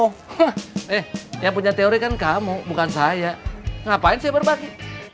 oh eh yang punya teori kan kamu bukan saya ngapain saya berbagi